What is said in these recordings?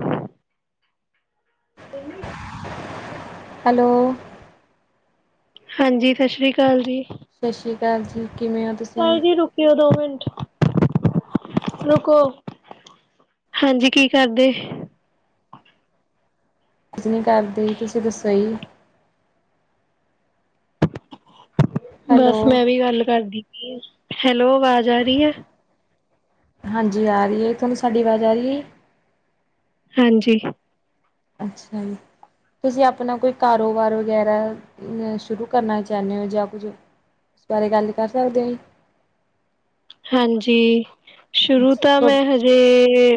ਹਮ [unintelligible] daily hello! ਹਾਂਜੀ, ਸਸ ਸ੍ਰੀ ਅਕਾਲ ਜੀ। ਸਸ ਸ੍ਰੀ ਅਕਾਲ ਜੀ, ਕਿਵੇਂ ਓ? ਕਾਲ ਜੀ, ਰੁਕਿਓ ਦੋ ਮਿੰਟ। ਰੁਕੋ, ਹਾਂਜੀ ਕੀ ਕਰਦੇ? ਕੁਝ ਨੀ ਕਰਦੀ, ਤੁਸੀਂ ਦੱਸੋ ਜੀ? ਹੈਲੋ ਬਸ ਮੈਂ ਵੀ ਗੱਲ ਕਰਦੀ ਪਈ ਆ, ਹੈਲੋ ਆਵਾਜ਼ ਆ ਰਹੀ ਆ? ਹਾਂਜੀ ਆ ਰਹੀ ਹੈ, ਤੁਹਾਨੂੰ ਸਾਡੀ ਆਵਾਜ਼ ਆ ਰਹੀ ਹੈ? ਹਾਂਜੀ। ਅੱਛਾ ਜੀ। ਤੁਸੀਂ ਆਪਣਾ ਕੋਈ ਕਾਰੋਬਾਰ ਵਗੈਰਾ, ਸ਼ੁਰੂ ਕਰਨਾ ਚਾਹੁੰਦੇ ਹੋ ਜਾਂ ਕੁਝ ਓਸ ਬਾਰੇ ਗੱਲ ਕਰ ਸਕਦੇ ਹੋ ਜੀ। ਹਾਂਜੀ। ਸ਼ੁਰੂ ਅੱਛਾ ਤਾਂ ਤੁਹਾ- ਮੈਂ ਹਜੇ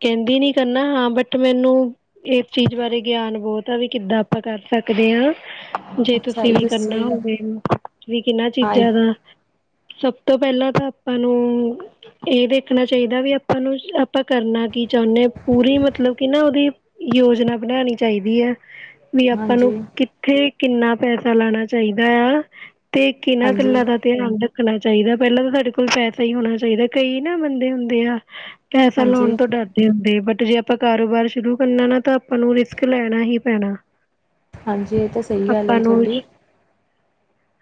ਕਹਿੰਦੀ ਨੀ ਕਰਨਾ, ਹਾਂ ਬਟ ਮੈਨੂੰ ਏਸ ਚੀਜ਼ ਬਾਰੇ ਗਿਆਨ ਬਹੁਤ ਆ ਵੀ, ਕਿੱਦਾਂ ਆਪਾਂ ਕਰ ਸਕਦੇ ਹਾਂ? ਜੇ ਅੱਛਾ ਤੁਸੀਂ ਇਹ ਵੀ ਦੱਸੋ ਕਰਨਾ ਜੀ ਹੋਵੇ, ਵੀ ਕਿਹਨਾਂ ਹਾਂ ਜੀ, ਚੀਜ਼ਾਂ ਦਾ ਸਭ ਤੋਂ ਪਹਿਲਾਂ ਤਾਂ ਆਪਾਂ ਨੂੰ ਇਹ ਦੇਖਣਾ ਚਾਹੀਦਾ ਵੀ ਆਪਾਂ ਨੂੰ ਆਪਾਂ ਕਰਨਾ ਕੀ ਚਾਹੁੰਨੇ? ਪੂਰੀ ਮਤਲਬ ਕਿ ਨਾ ਉਹਦੀ ਯੋਜਨਾ ਬਣਾਣੀ ਚਾਹੀਦੀ ਆ। ਵੀ ਆਪਾਂ ਨੂੰ ਹਾਂਜੀ ਕਿੱਥੇ, ਕਿੰਨਾ ਪੈਸਾ ਲਾਉਣਾ ਚਾਹੀਦਾ ਆ ਤੇ ਕਿੰਨਾ ਹਾਂਜੀ ਗੱਲਾਂ ਦਾ ਧਿਆਨ ਰੱਖਣਾ ਚਾਹੀਦਾ, ਪਹਿਲਾਂ ਤਾਂ ਸਾਡੇ ਕੋਲ ਲ' ਪੈਸਾ ਹੀ ਹੋਣਾ ਚਾਹੀਦਾ। ਕਈ ਨਾ ਬੰਦੇ ਹੁੰਦੇ ਆ ਪੈਸਾ ਹਾਂਜੀ ਲਾਉਣ ਤੋਂ ਡਰ ਹੁੰਦੇ, ਬਟ ਜੇ ਆਪਾਂ ਕਾਰੋਬਾਰ ਸ਼ੁਰੂ ਕਰਨਾ ਨਾ ਤਾਂ ਆਪਾਂ ਨੂੰ ਰਿਸਕ ਲੈਣਾ ਹੀ ਪੈਣਾ। ਹਾਂਜੀ, ਇਹ ਤਾਂ ਸਹੀ ਗੱਲ ਹੈ ਆਪਾਂ ਜੀ ਨੂੰ ਤੁਹਾਡੀ।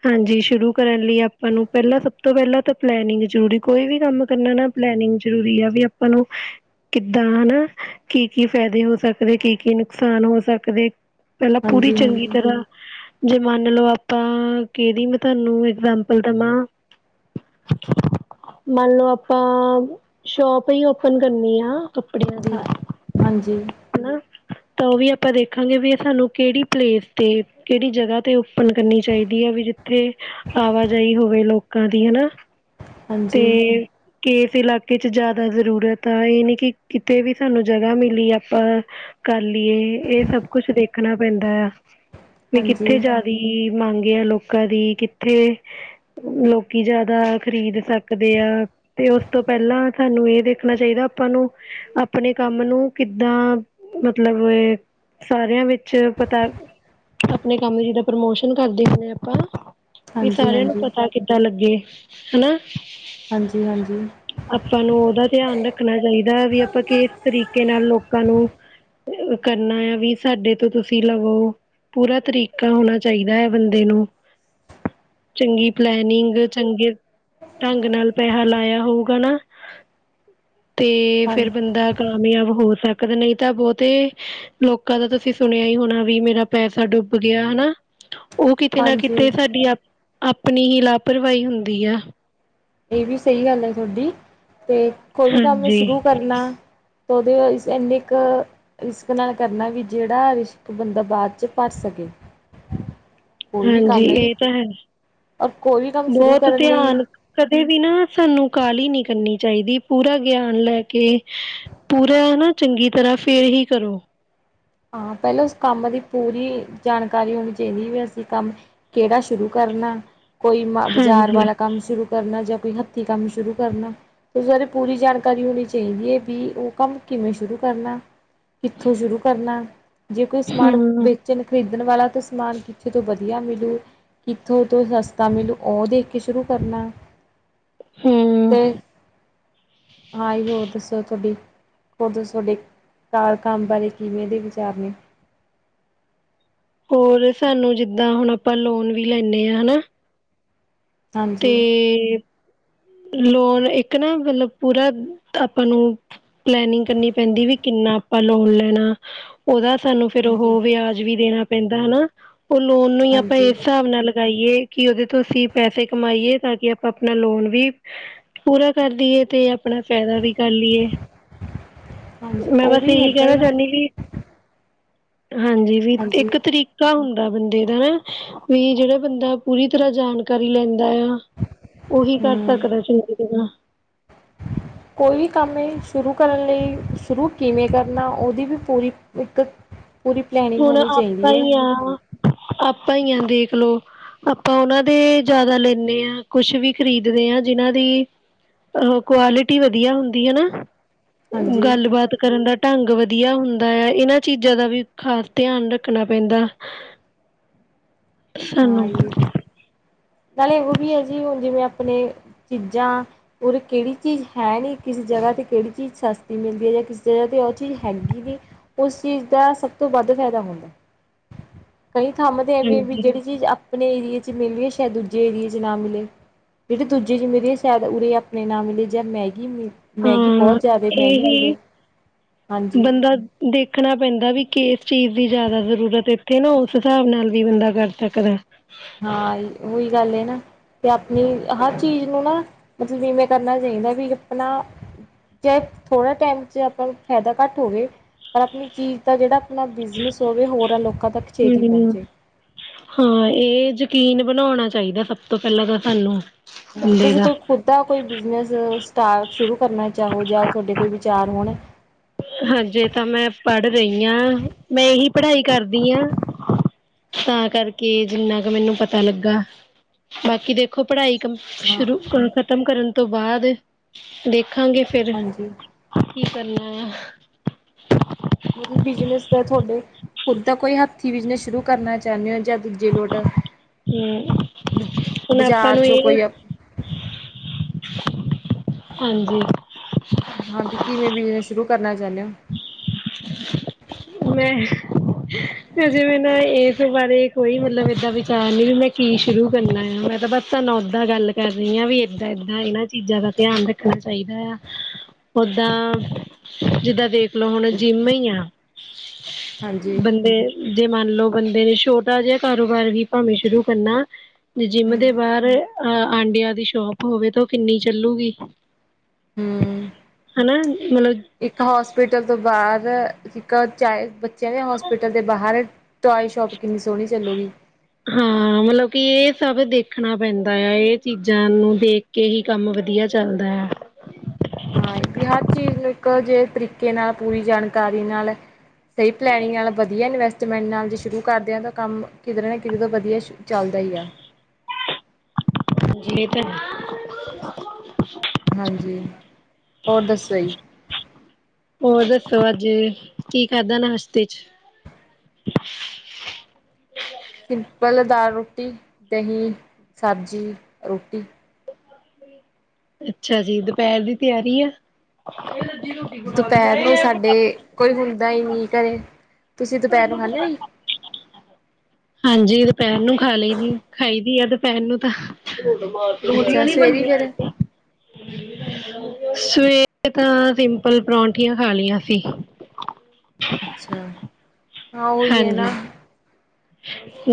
ਹਾਂਜੀ। ਸ਼ੁਰੂ ਕਰਨ ਲਈ ਆਪਾਂ ਨੂੰ, ਪਹਿਲਾਂ ਸਭ ਤੋਂ ਪਹਿਲਾਂ ਤਾਂ ਪਲੈਨਿੰਗ ਜਰੂਰੀ, ਕੋਈ ਵੀ ਕੰਮ ਕਰਨਾ ਨਾ ਪਲੈਨਿੰਗ ਜਰੂਰੀ ਆ ਵੀ ਆਪਾਂ ਨੂੰ ਕਿੱਦਾਂ ਹਨਾ, ਕੀ-ਕੀ ਫਾਇਦੇ ਹੋ ਸਕਦੇ। ਕੀ-ਕੀ ਨੁਕਸਾਨ ਹੋ ਸਕਦੇ? ਪਹਿਲਾਂ ਪੂਰੀ ਹਾਂਜੀ ਚੰਗੀ ਹਾਂਜੀ ਤਰ੍ਹਾਂ ਜੇ' ਮੰਨ ਲਓ ਆਪਾਂ, ਕਿਹਦੀ ਮੈਂ ਤੁਹਾਨੂੰ ਐਗਜਾਮਪਲ ਦੇਵਾਂ ਮੰਨ ਲਓ ਆਪਾਂ, ਸ਼ੋਪ ਈ ਓਪਨ ਕਰਨੀ ਆ ਕੱਪੜਿਆਂ ਦੀ ਹਾਂ ਹਾਂਜੀ ਹਨਾ ਤਾਂ ਉਹ ਵੀ ਆਪਾਂ ਦੇਖਾਂਗੇ ਵੀ ਇਹ ਸਾਨੂੰ ਕਿਹੜੀ ਪਲੇਸ ਤੇ ਕਿਹੜੀ ਜਗ੍ਹਾ ਤੇ ਓਪਨ ਕਰਨੀ ਚਾਹੀਦੀ ਆ ਵੀ ਜਿੱਥੇ ਆਵਾਜਾਈ ਹੋਵੇ ਲੋਕਾਂ ਦੀ ਹਨਾ ਤੇ ਹਾਂਜੀ ਕੇ ਇਸ ਇਲਾਕੇ ਚ' ਜ਼ਿਆਦਾ ਜ਼ਰੂਰਤ ਆ ਇਹ ਨੀ ਕਿ ਕਿਤੇ ਵੀ ਸਾਨੂੰ ਜਗ੍ਹਾ ਮਿਲੀ ਆਪਾਂ ਕਰ ਲਈਏ ਇਹ ਸਭ ਕੁਛ ਦੇਖਣਾ ਪੈਂਦਾ ਆ ਵੀ ਹਾਂਜੀ ਕਿੱਥੇ ਜ਼ਿਆਦੀ ਮੰਗ ਆ ਲੋਕਾਂ ਦੀ ਕਿੱਥੇ ਲੋਕੀ ਜ਼ਿਆਦਾ ਦਾ ਖ਼ਰੀਦ ਸਕਦੇ ਆ ਤੇ ਉਸ ਤੋਂ ਪਹਿਲਾਂ ਸਾਨੂੰ ਇਹ ਦੇਖਣਾ ਚਾਹੀਦਾ ਆਪਾਂ ਨੂੰ ਆਪਣੇ ਕੰਮ ਨੂੰ ਕਿੱਦਾਂ ਮਤਲਬ ਏ ਸਾਰਿਆਂ ਵਿੱਚ ਪਤਾ ਆਪਣੇ ਕੰਮ ਦੀ ਜਿੱਦਾਂ ਪ੍ਰਮੋਸ਼ਨ ਕਰਦੇ ਹੁੰਦੇ ਆਪਾਂ ਵੀ ਹਾਂਜੀ ਹਾਂਜੀ ਸਾਰਿਆਂ ਨੂੰ ਪਤਾ ਹਾਂਜੀ ਕਿੱਦਾਂ ਲੱਗੇ ਹਨਾ ਹਾਂਜੀ ਹਾਂਜੀ ਆਪਾਂ ਨੂੰ ਉਹਦਾ ਧਿਆਨ ਰੱਖਣਾ ਚਾਹੀਦਾ ਵੀ ਆਪਾਂ ਕਿਸ ਤਰੀਕੇ ਨਾਲ ਲੋਕਾਂ ਨੂੰ ਕਰਨਾ ਆ ਵੀ ਸਾਡੇ ਤੋਂ ਤੁਸੀਂ ਲਵੋ ਪੂਰਾ ਤਰੀਕਾ ਹੋਣਾ ਚਾਹੀਦਾ ਹੈ ਬੰਦੇ ਨੂੰ ਚੰਗੀ ਪਲੈਨਿੰਗ ਚੰਗੀ ਢੰਗ ਨਾਲ ਪੈਸਾ ਲਾਇਆ ਹੋਊਗਾ ਨਾ ਤੇ ਹਾਂ ਫੇਰ ਬੰਦਾ ਕਾਮਯਾਬ ਹੋ ਸਕਦੇ ਨਹੀਂ ਤਾਂ ਬਹੁਤੇ ਲੋਕਾਂ ਦਾ ਤੁਸੀਂ ਸੁਣਿਆ ਹੀ ਹੋਣਾ ਵੀ ਮੇਰਾ ਪੈਸਾ ਡੁੱਬ ਗਿਆ ਹਨਾ ਉਹ ਕਿਤੇ ਨਾ ਹਾਂਜੀ ਕਿਤੇ ਸਾਡੀ ਆਪਣੀ ਹੀ ਲਾਪਰਵਾਹੀ ਹੁੰਦੀ ਹੈ। ਇਹ ਵੀ ਸਹੀ ਗੱਲ ਹੈ ਤੁਹਾਡੀ ਤੇ ਕੋਈ ਵੀ ਕੰਮ ਹਾਂਜੀ ਸ਼ੁਰੂ ਕਰਨਾ ਓਹਦੀ ਵਾਈਸ ਐਨਿਕ ਰਿਸਕ ਨਾਲ ਕਰਨਾ ਵੀ ਜਿਹੜਾ ਰਸ਼ਕ ਬੰਦਾ ਬਾਅਦ ਚ' ਭਰ ਸਕੇ ਕੋਈ ਵੀ ਹਾਂਜੀ ਕੰਮ ਇਹ ਤਾਂ ਹੈ ਔਰ ਕੋਈ ਵੀ ਕੰਮ ਸ਼ੁਰੂ ਬਹੁਤ ਕਰਨ ਲਈ ਧਿਆਨ ਕਦੇ ਵੀ ਨਾ ਸਾਨੂੰ ਕਾਹਲੀ ਨੀ ਕਰਨੀ ਚਾਹੀਦੀ ਪੂਰਾ ਗਿਆਨ ਲੈ ਕੇ ਪੂਰਾ ਹਨਾ ਚੰਗੀ ਤਰ੍ਹਾਂ ਫੇਰ ਹੀ ਕਰੋ ਹਾਂ ਪਹਿਲਾਂ ਉਸ ਕੰਮ ਦੀ ਪੂਰੀ ਜਾਣਕਾਰੀ ਹੋਣੀ ਚਾਹੀਦੀ ਵੀ ਅਸੀਂ ਕੰਮ ਕਿਹੜਾ ਸ਼ੁਰੂ ਕਰਨਾ ਕੋਈ ਮ ਬਾਜ਼ਾਰ ਹਾਂਜੀ ਵਾਲਾ ਕੰਮ ਸ਼ੁਰੂ ਕਰਨਾ ਜਾਂ ਕੋਈ ਹੱਥੀਂ ਕੰਮ ਸ਼ੁਰੂ ਕਰਨਾ ਸਾਰੇ ਪੂਰੀ ਜਾਣਕਾਰੀ ਹੋਣੀ ਚਾਹੀਦੀ ਹੈ ਵੀ ਉਹ ਕੰਮ ਕਿਵੇਂ ਸ਼ੁਰੂ ਕਰਨਾ ਕਿੱਥੋਂ ਸ਼ੁਰੂ ਕਰਨਾ ਜੇ ਕੋਈ ਸਮਾਨ ਹਮ ਵੇਚਣ ਖਰੀਦਣ ਵਾਲਾ ਤਾਂ ਸਮਾਨ ਕਿੱਥੇ ਤੋਂ ਵਧੀਆ ਮਿਲੂ ਕਿੱਥੋਂ ਤ' ਸਸਤਾ ਮਿਲੂ ਉਹ ਦੇਖ ਕੇ ਸ਼ੁਰੂ ਕਰਨਾ ਹਮ ਤੇ' ਅਈ ਹੋਰ ਦੱਸੋ ਤੁਹਾਡੀ ਹੋਰਦਸੋ ਤੁਹਾਡੇ ਘਰਰ ਕੰਮ ਬਾਰੇ ਕਿਵੇਂ ਦੇ ਵਿਚਾਰ ਨੇ ਹੋਰ ਸਾਨੂੰ ਜਿੱਦਾਂ ਹੁਣ ਆਪਾਂ ਲੋਨ ਵੀ ਲੈਂਦੇ ਹਾਂ ਹਨਾ ਤੇ ਹਾਂਜੀ ਲੋਨ ਇੱਕ ਨਾ ਮਤਲਬ ਪੂਰਾ ਆਪਾਂ ਨੂੰ। ਪਲੈਨਿੰਗ ਕਰਨੀ ਪੈਂਦੀ ਵੀ ਕਿੰਨਾ ਆਪਾਂ ਲੋਨ ਲੈਣਾ ਉਹਦਾ ਸਾਨੂੰ। ਫੇਰ ਹਾਂਜੀ ਉਹ ਵਿਆਜ ਵੀ ਦੇਣਾ ਪੈਂਦਾ ਹਨਾ ਉਹ ਲੋਨ ਨੂੰ ਹੀ ਆਪਾਂ ਹਾਂਜੀ ਇਸ ਹਿਸਾਬ ਨਾਲ। ਕਰਾਈਏ ਕਿ ਉਹਦੇ ਤੋਂ ਅਸੀਂ ਪੈਸੇ ਕਮਾਈਏ ਤਾਂ ਕਿ ਆਪਾਂ ਆਪਣਾ ਲੋਨ ਵੀ। ਪੂਰਾ ਕਰਦੀਏ ਤੇ ਆਪ। ਆਪਣਾ ਫਾਇਦਾ ਵੀ ਕਰ ਲਈਏ ਹਾਂਜੀ ਮੈਂ ਉਹ ਬਸ ਵੀ ਇਹੀ ਹੈਗਾ ਕਹਿਣਾ ਹੀ ਚਾਹੁੰਦੀ ਵਿ ਹਾਂਜੀ ਵੀ ਹਾਂਜੀ ਇੱਕ ਤਰੀਕ ਪਤਾਂ ਹੁੰਦਾ ਬੰਦੇ ਦਾ ਹਨਾ ਵੀ ਜਿਹੜਾ ਬੰਦਾ ਪੂਰੀ ਤਰ੍ਹਾਂ ਜਾਣਕਾਰੀ ਲੈਂਦਾ ਆ। ਉਹੀ ਕਰ ਹਮ ਸਕਦਾ ਚੰਗੀ ਤਰ੍ਹਾਂ। ਕੋਈ ਵੀ ਕੰਮ ਏ ਸ਼ੁਰੂ ਕਰਨ ਲਈ, ਸ਼ੁਰੂ ਕਿਵੇਂ ਕਰਨਾ ਉਦੀ ਵੀ ਪੂਰੀ ਇੱਕ ਪੂਰੀ ਪਲੈਨਿੰਗ ਹੁਣ ਹੋਣੀ ਆਪਾਂ ਚਾਹੀਦੀ ਹੈ ਈ ਆ, ਆਪਾਂ ਈ ਆ ਦੇਖਲੋ ਆਪਾਂ ਉਨਾਂ ਦੇ ਜਿਆਦਾ ਲੈਂਨੇ ਆ ਕੁਛ ਵੀ ਖ਼ਰੀਦ ਦੇ ਆ ਜਿਨਾਂ ਦੀ ਉਹ ਕੁਆਲਿਟੀ ਵਧੀਆ ਹੁੰਦੀ ਹੈਨਾ। ਹਾਂਜੀ ਗੱਲਬਾਤ ਕਰਨ ਦਾ ਢੰਗ ਵਧੀਆ ਹੁੰਦਾ ਆ ਏਨਾਂ ਚੀਜ਼ਾਂ ਦਾ ਵੀ ਖਾਸ ਧਿਆਨ ਰੱਖਣਾ ਪੈਂਦਾ ਸਾਨੂੰ। ਹਾਂ ਜੀ ਨਾਲੇ ਏਹੋ ਵੀ ਐ ਜੀ ਹੁਣ ਜਿਵੇਂ ਆਪਣੇ ਚੀਜ਼ਾਂ ਉਰ ਕਿਹੜੀ ਚੀਜ਼ ਹੈ ਨੀ, ਕਿਸ ਜਗਾ 'ਤੇ ਕਿਹੜੀ ਚੀਜ਼ ਸਸਤੀ ਮਿਲਦੀ ਐ ਜਾਂ ਕਿਸ ਜਗਾ 'ਤੇ ਓ ਚੀਜ਼ ਹੈਗੀ ਨੀ ਉਸ ਚੀਜ਼ ਦਾ ਸਭ ਤੋਂ ਵੱਧ ਫਾਇਦਾ ਹੁੰਦਾ, ਕਈ ਥਾਵਾਂ 'ਤੇ ਐ ਵੀ-ਵੀ ਹਾਂਜੀ ਚੀਜ਼ ਆਪਣੇ ਏਰੀਏ 'ਚ ਮਿਲਰੀ ਸ਼ਾਇਦ ਦੂਜੇ ਏਰੀਏ 'ਚ ਨਾ ਮਿਲੇ। ਜੇੜੀ ਦੂਜੇ 'ਚ ਮਿਲਰੀਆ ਸ਼ਾਇਦ ਉਰੇ ਆਪਣੇ ਨਾ ਮਿਲੇ ਜਾਂ ਮੈਗੀ ਮ ਮੈਗੀ ਬੋ ਹਾਂ ਜਿਆਦੇ ਮੈਗੀ ਇਹੀ ਮਿਲੇ, ਹਾਂਜੀ। ਬੰਦਾ ਦੇਖਣਾ ਪੈਂਦਾ ਵੀ ਕਿਸ ਚੀਜ਼ ਦੀ ਜਿਆਦਾ ਜ਼ਰੂਰਤ ਇੱਥੇ ਨਾ ਉਸ ਹਿਸਾਬ ਨਾਲ ਵੀ ਬੰਦਾ ਕਰ ਸਕਦਾ। ਹਾਂ ਉਹੀ ਗੱਲ ਏ ਨਾ। 'ਤੇ ਆਪਣੀ ਹਰ ਚੀਜ਼ ਨੂੰ ਨਾ ਮਤਲਬ ਇਵੇਂ ਕਰਨਾ ਚਾਈਦਾ ਵੀ ਆਪਣਾ ਚਾਹੇ ਥੋੜਾ ਟਾਈਮ 'ਚ ਆਪਾਂ ਨੂੰ ਫ਼ਾਇਦਾ ਘੱਟ ਹੋਵੇ ਪਰ ਆਪਣੀ ਚੀਜ਼ ਦਾ ਜਿਹੜਾ ਆਪਣਾ ਬਿਜ਼ਨਸ ਹੋਵੇ ਹੋਰਾ ਲੋਕਾਂ ਤੱਕ ਛੇਤੀ ਹੂੰ। ਪਹੁੰਚੇ। ਹਾਂ ਏ ਯਕੀਨ ਬਣਾਉਣਾ ਚਾਈਦਾ ਸਭ ਤੋਂ ਪਹਿਲਾਂ ਤਾਂ ਸਾਨੂੰ। ਹਾਂਜੀ ਬੰਦੇ ਤੁਸੀਂ ਦਾ ਕੋਈ ਖੁਦ ਦਾ ਕੋਈ ਬਿਜਨਸ ਸਟਾ, ਸ਼ੁਰੂ ਕਰਨਾ ਚਾਹੋ ਜਾਂ ਤੁਹਾਡੇ ਕੋਈ ਵਿ ਚਾਰ ਹੋਣ। ਹਜੇ ਤਾਂ ਮੈਂ ਪੜ ਰਈ ਆ, ਮੈਂ ਏ ਹੀ ਪੜਾਈ ਕਰਦੀ ਆ। ਤਾਂ ਕਰਕੇ ਜਿੰਨਾ ਕ ਮੈਨੂੰ ਪਤਾ ਲੱਗਾ, ਬਾਕੀ ਦੇ ਖੋ ਪੜਾਈ ਕੰਮ ਹਾਂ ਸ਼ੁਰੂ, ਖਤਮ ਕਰਨ ਤੋਂ ਬਾਅਦ, ਦੇਖਾਂਗੇ ਫੇਰ ਹਾਂਜੀ ਕੀ ਕਰਨਾ ਆ। ਮਤਲਬ ਬਿਜ਼ਨਸ ਦਾ ਥੋਡੇ ਖੁਦ ਦਾ ਕੋਈ ਹੱਥੀ ਬਿਜ਼ਨਸ ਸ਼ੁਰੂ ਕਰਨਾ ਚਾਨੇ ਓ ਜਾਂ ਦੂਜੇ ਲੋੋਟ? ਹਮ ਹੁਣ ਆਪਾਂ ਬਾਜ਼ਾਰ ਨੂੰ ਚੋਂ ਇਹ ਕੋਈ ਆ ਹਾਂਜੀ। ਹਾਂਜੀ ਕਿਵੇਂ ਬਿਜ਼ਨਸ ਸ਼ੁਰੂ ਕਰਨਾ ਚਾਨੇ ਓ? ਮੈਂ ਅਜੇ ਮੈਂ ਨਾ ਐਸ ਬਾਰੇ ਕੋਈ ਮਤਲਬ ਏਦਾਂ ਵਿਚਾਰ ਨੀ ਵੀ ਮੈਂ ਕੀ ਸ਼ੁਰੂ ਕਰਨਾ ਆ ਮੈਂ ਤਾਂ ਬਸ ਸਨ ਉਦਾਂ ਗੱਲ ਕਰ ਰੀ ਆ ਵੀ ਏਦਾਂ-ਏਦਾਂ ਏਨਾਂ ਚੀਜ਼ਾਂ ਦਾ ਧਿਆਨ ਰੱਖਣਾ ਚਾਈਦਾ ਆ। ਓਦਾਂ ਜਿੱਦਾਂ ਦੇਖਲੋ ਹੁਣ ਜਿੰਮ ਈ ਆ ਹਾਂਜੀ ਬੰਦੇ ਜੇ ਮੰਨ ਲੋ ਬੰਦੇ ਨੇ ਛੋਟਾ ਜਿਹਾ ਕਾਰੋਬਾਰ ਵੀ ਭਾਵੇਂ ਸ਼ੁਰੂ ਕਰਨਾ। ਜਿੰਮ ਹੂੰ ਦੇ ਬਾਹਰ ਅ ਆਂਡਿਆਂ ਦੀ ਸ਼ੋਪ ਹੋਵੇ ਤਾਂ ਓ ਕਿੰਨੀ ਚੱਲੂਗੀ। ਹੂੰ ਹਨਾ ਮਤਲਬ ਇੱਕ ਹੋਸਪਿਟਲ ਤੋਂ ਬਾਰ ਇੱਕ ਚਾਏ ਬੱਚਿਆਂ ਦੇ ਹੋਸਪਿਟਲ ਦੇ ਬਾਹਰ ਟੋਆਏ ਸ਼ੋਪ ਕਿੰਨੀ ਸੋਹਣੀ ਚੱਲੂਗੀ। ਹਾਂ। ਮਤਲਬ ਕਿ ਏ ਸਭ ਦੇਖਣਾ ਪੈਂਦਾ ਆ ਏ ਚੀਜ਼ਾਂ ਨੂੰ ਦੇਖ ਕੇ ਹੀ ਕੰਮ ਵਧੀਆ ਚੱਲਦਾ ਆ। ਹਾਂ ਏ ਵੀ ਹਰ ਚੀਜ਼ ਨੂੰ ਇੱਕੋ ਜੇ ਤਰੀਕੇ ਨਾਲ, ਪੂਰੀ ਜਾਣਕਾਰੀ ਨਾਲ ਸਹੀ ਪਲੈਨਿੰਗ ਨਾਲ, ਵਧੀਆ ਇਨਵੈਸਟਮੈਂਟ ਨਾਲ ਜੇ ਸ਼ੁਰੂ ਕਰਦੇ ਹਾਂ, ਤਾਂ ਕੰਮ ਕਿਧਰ ਨਾ ਕਿਧਤੇ ਤੋਂ ਵਧੀਆ ਸ਼ ਚੱਲਦਾ ਹੀ ਆ। ਜੀ ਤੇ ਹਾਂਜੀ, ਹੋਰ ਦੱਸੋ ਜੀ? ਹੋਰ ਦੱਸੋ, ਅੱਜ ਕੀ ਖਾਦਾ ਨਾਸ਼ਤੇ 'ਚ? ਸਿੰਪਲ ਦਾਲ ਰੋਟੀ, ਦਹੀਂ, ਸਬਜ਼ੀ, ਰੋਟੀ। ਅੱਛਾ ਜੀ, ਦੁਪਹਿਰ ਦੀ ਤਿਆਰੀ ਆ? ਦੁਪਹਿਰ ਨੂੰ ਸਾਡੇ, ਕੋਈ ਹੁੰਦਾ ਹੀ ਨਹੀਂ ਘਰੇ। ਤੁਸੀਂ ਦੁਪਹਿਰ ਨੂੰ ਹਮ। ਖਾਂਦੇ ਹੋ ਜੀ ਹਾਂਜੀ ਦੁਪਹਿਰ ਨੂੰ ਖਾ ਲਈ ਦੀ, ਖਾਈ ਦੀ ਆ ਦੁਪਹਿਰ ਨੂੰ ਤਾਂ। ਰੋਟੀਆਂ ਅੱਛਾ ਨੀ ਸਵੇਰੇ ਬਣੀਆਂ ਫਿਰ ਸਵੇਰ ਤਾਂ, ਸਿੰਪਲ ਪਰੌਂਠੀਆਂ ਖਾ ਲਈਆਂ ਸੀ। ਹਮ। ਅੱਛਾ, ਹਾਂ ਹੋਹੀ ਹੈ ਨਾ। ਹਾਂਜੀ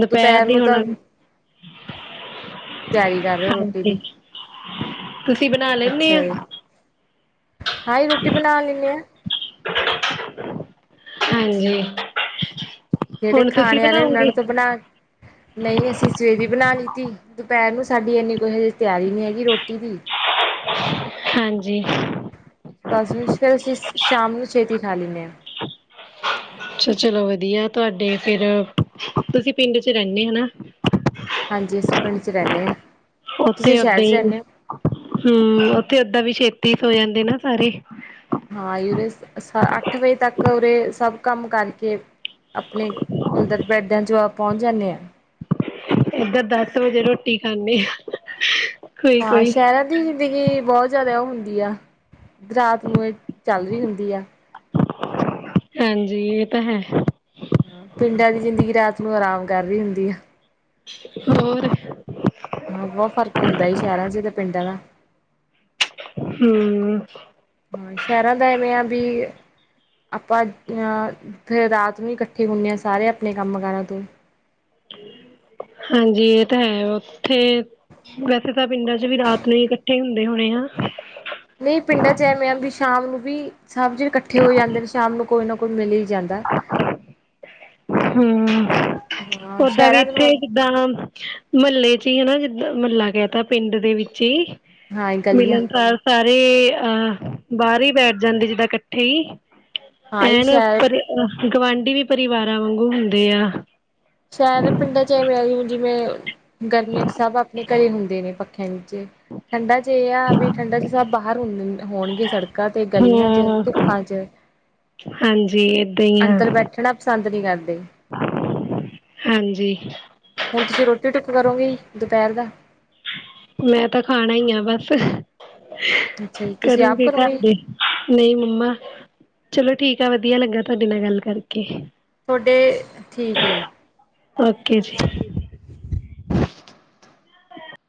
ਦੁਪਹਿਰ ਦੀ ਨੂੰ ਹੁਣ ਤਾਂ ਤਿਆਰੀ ਕਰ ਰਹੇ, ਰੋਟੀ ਦੀ। ਹਾਂਜੀ ਤੁਸੀਂ ਬਣਾ ਲੈਂਨੇ ਆ? ਹਾਂਹੀ, ਰੋਟੀ ਬਣਾ ਲੈਂਦੇ ਹਾਂ। ਹਾਂਜੀ। ਜਿਹੜੇ ਹੁਣ ਤੁਸੀਂ ਖਾਣੇ ਵਾਲੇ ਨੇ ਉਹਨਾਂ ਬਣਾਓਗੇ? ਨੂੰ ਤਾਂ ਬਣਾ, ਨਹੀਂ ਅਸੀਂ ਸਵੇਵੀ ਬਣਾ ਲਿੱਤੀ। ਦੁਪਹਿਰ ਨੂੰ ਸਾਡੀ ਇੰਨੀ ਕੋਈ ਹ, ਤਿਆਰੀ ਨਹੀਂ ਹੈਗੀ ਰੋਟੀ ਦੀ। ਹਾਂਜੀ। ਬਸ ਫਿਰ, ਸ਼ਾਮ ਨੂੰ ਛੇਤੀ ਖਾ ਲੈਂਨੇਂ ਆ। ਹ- ਅੱਛਾ ਚਲੋ ਵਧੀਆ ਤੁਹਾਡੇ ਫਿਰ, ਤੁਸੀਂ ਪਿੰਡ 'ਚ ਰਹਿੰਦੇ ਹਨਾ? ਹਾਂਜੀ, ਅਸੀ ਪਿੰਡ 'ਚ ਰਹਿੰਦੇ ਹਾਂ। ਤੁਸੀਂ ਸ਼ਹਿਰ 'ਚ ਰਹਿੰਦੇ ਹੋ? ਹਮ, ਉੱਥੇ ਓਦਾਂ ਵੀ ਛੇਤੀ ਸੋ ਜਾਂਦੇ ਨਾ ਸਾਰੇ। ਹਾਂ, ਉਰੇ ਅੱਠ ਵਜੇ ਤੱਕ ਉਰੇ, ਸਭ ਕੰਮ ਕਰਕੇ ਆਪਣੇ ਅੰਦਰ, ਬੈਡਾਂ 'ਚ ਆਪ ਪਹੁੰਚ ਜਾਂਦੇ ਹਾਂ ਏਧਰ, ਦਸ ਵਜੇ ਰੋਟੀ ਖਾਂਦੇ ਆ। ਹਾਂ ਕੋਈ-ਕੋਈ ਸ਼ਹਿਰਾਂ ਦੀ ਜ਼ਿੰਦਗੀ, ਬਹੁਤ ਜ਼ਿਆਦਾ ਉਹ ਹੁੰਦੀ ਆ। ਰਾਤ ਨੂੰ ਇਹ ਚੱਲ ਰਹੀ ਹੁੰਦੀ ਆ। ਹਾਂਜੀ, ਇਹ ਤਾਂ ਹੈ। ਪਿੰਡਾਂ ਦੀ ਜ਼ਿੰਦਗੀ, ਰਾਤ ਨੂੰ ਆਰਾਮ ਕਰ ਰਹੀ ਹੁੰਦੀ ਆ। ਹੋਰ ਹਾਂ ਬਹੁਤ ਫ਼ਰਕ ਹੁੰਦਾ ਜੀ, ਸ਼ਹਿਰਾਂ 'ਚ ਤੇ ਪਿੰਡਾਂ ਦਾ। ਹਮ। ਹਾਂ, ਸ਼ਹਿਰਾਂ ਦਾ ਐਵੇਂ ਆ ਵੀ ਆਪਾਂ ਫਿਰ ਰਾਤ ਨੂੰ ਇਕੱਠੇ ਹੁੰਦੇ ਹਾਂ, ਸਾਰੇ ਆਪਣੇ ਕੰਮ ਕਾਰਾਂ ਤੋਂ। ਹਾਂਜੀ, ਇਹ ਤਾਂ ਹੈ ਉੱਥੇ ਵੈਸੇ ਤਾਂ ਪਿੰਡਾਂ 'ਚ ਵੀ, ਰਾਤ ਨੂੰ ਹੀ ਇਕੱਠੇ ਹੁੰਦੇ ਹੋਣੇ ਆ? ਨਹੀਂ ਪਿੰਡਾਂ 'ਚ ਐਵੇਂ ਆ, ਵੀ ਸ਼ਾਮ ਨੂੰ ਵੀ ਸਭ ਜ ਇਕੱਠੇ ਹੋ ਜਾਂਦੇ ਨੇ, ਸ਼ਾਮ ਨੂੰ ਕੋਈ ਨਾ ਕੋਈ ਮਿਲੇ ਹੀ ਜਾਂਦਾ। ਹਮ, ਹਾਂ ਓਦਾਂ ਵੀ ਸ਼ਹਿਰਾਂ ਇੱਥੇ ਚ ਜਿੱਦਾਂ ਮਹੱਲੇ 'ਚ ਹੀ ਹਨਾ ਜਿੱਦਾਂ, ਮਹੱਲਾ ਕਹਿ ਤਾ ਪਿੰਡ ਦੇ ਵਿੱਚ ਹੀ ਹਾਂ ਗਲੀਆਂ ਮਿਲਣ ਦਾ ਸਾਰੇ ਅਹ ਬਾਹਰ ਹੀ ਬੈਠ ਜਾਂਦੇ ਜਿੱਦਾਂ ਇਕੱਠੇ ਹੀ ਹਾਂ ਹੀ ਐਨ, ਸ਼ਹਿਰ ਪਰ ਗਵਾਂਢੀ ਵੀ ਪਰਿਵਾਰਾਂ ਵਾਂਗੂ ਹੁੰਦੇ ਆ। ਸ਼ਹਿਰ ਪਿੰਡਾਂ ਚ ਐਵੇਂ ਆ ਜ ਜਿਵੇਂ, ਗਰਮੀਆਂ ਚ ਸਭ ਆਪਣੇ ਘਰੇ ਹੁੰਦੇ ਨੇ, ਪੱਖਿਆਂ ਨੀਚੇ ਠੰਡਾ ਚ ਇਹ ਆ ਵੀ ਠੰਡਾ ਚ ਸਭ ਬਾਹਰ ਹੁੰ ਹੋਣਗੇ ਸੜਕਾਂ ਤੇ ਗਲੀਆਂ ਚ ਹੂੰ, ਧੁੱਪਾਂ ਚ ਹਾਂਜੀ। ਈ ਆ। ਅੰਦਰ ਬੈਠਣਾ ਪਸੰਦ ਨਹੀ ਕਰਦੇ। ਹਾਂਜੀ। ਹੁਣ ਤੁਸੀਂ ਰੋਟੀ ਟੁੱਕ ਕਰੋਗੇ ਜੀ ਦੁਪਹਿਰ ਦਾ? ਮੈਂ ਤਾਂ ਖਾਣਾ ਹੀ ਆ ਬਸ, ਅੱਛਾ ਜੀ ਤੁਸੀਂ ਆਪ ਕਰੂਗੇ ਘਰ ਕਰੋਗੇ ਦੇ। ਨਹੀਂ ਮੰਮਾ, ਚਲੋ ਠੀਕ ਆ। ਵਧੀਆ ਲੱਗਾ ਤੁਹਾਡੇ ਨਾਲ ਗੱਲ ਕਰਕੇ। ਤੁਹਾਡੇ ਠੀਕ ਏ। ਓਕੇ ਜੀ। [inaudible]